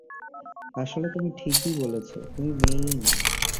আসলে তুমিই ঠিকই বলেছ, তুমি তো মেয়েই না!